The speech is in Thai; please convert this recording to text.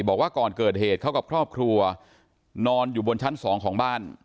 บอกว่าก่อนเกิดเหตุเขากับครอบครัวนอนอยู่บนชั้น๒ของบ้าน